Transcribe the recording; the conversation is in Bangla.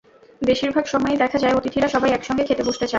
বেশির ভাগ সময়ই দেখা যায়, অতিথিরা সবাই একসঙ্গে খেতে বসতে চান।